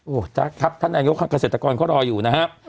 โอ้จ๊ะครับท่านนายยกท่านเกษตรกรก็รออยู่นะครับ